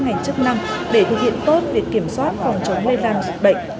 ngành chức năng để thực hiện tốt việc kiểm soát phòng chống lây lan dịch bệnh